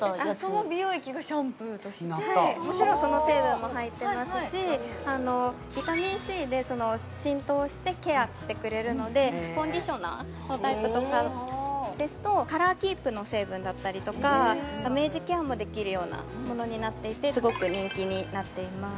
その美容液がシャンプーとしてもちろんその成分も入ってますしビタミンＣで浸透してケアしてくれるのでコンディショナーのタイプとかですとカラーキープの成分だったりとかダメージケアもできるようなものになっていてすごく人気になっています